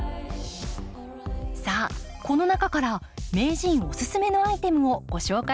さあこの中から名人おすすめのアイテムをご紹介します。